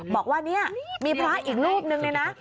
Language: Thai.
บอกว่าเนี่ยมีพระอีกรูปนึงเนี่ยนะ